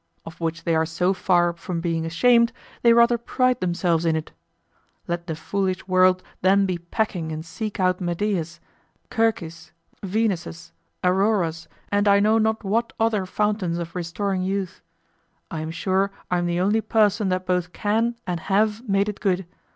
of which they are so far from being ashamed, they rather pride themselves in it. Let the foolish world then be packing and seek out Medeas, Circes, Venuses, Auroras, and I know not what other fountains of restoring youth. I am sure I am the only person that both can, and have, made it good.